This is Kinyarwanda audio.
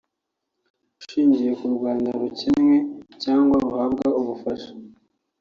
ashingiye ko u Rwanda rukennye cyangwa ruhabwa ubufasha